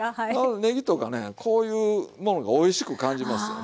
ねぎとかねこういうものがおいしく感じますよね。